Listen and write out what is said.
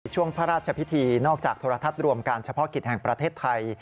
ช่วงพระราชพิธีนอกจากโทรทัศน์รวมการเฉพาะกิจแห่งประเทศไทย